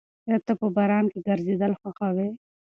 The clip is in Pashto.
ایا ته په باران کې ګرځېدل خوښوې؟